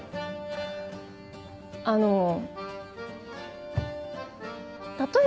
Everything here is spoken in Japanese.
あの。